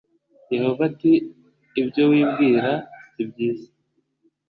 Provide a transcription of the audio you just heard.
yehova ati ibyo wibwira si byiza